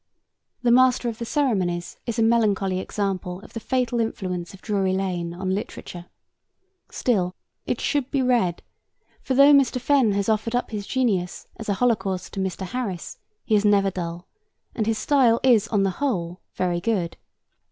The Master of the Ceremonies is a melancholy example of the fatal influence of Drury Lane on literature. Still, it should be read, for though Mr. Fenn has offered up his genius as a holocaust to Mr. Harris, he is never dull, and his style is on the whole very good.